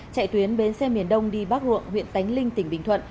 chạy tuyến bến xe miền đông đi bắc ruộng huyện tánh linh tỉnh bình thuận